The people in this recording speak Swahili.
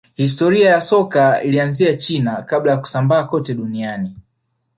historia ya soka ilianzia china kabla ya kusambaa kote duniani